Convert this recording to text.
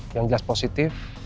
yang jelas positif